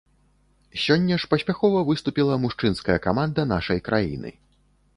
Сёння ж паспяхова выступіла мужчынская каманда нашай краіны.